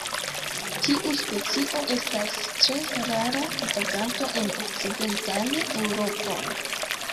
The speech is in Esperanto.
Tiu specio estas tre rara vaganto en okcidentan Eŭropon.